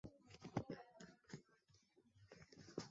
则在同月时被宣布将会担任女主角。